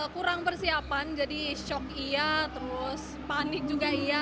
kurang persiapan jadi shock iya terus panik juga iya